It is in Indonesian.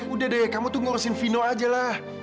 udah deh kamu tuh ngurusin vino aja lah